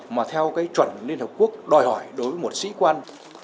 mà theo cái chuẩn liên hợp quốc đòi hỏi đối với một sĩ quan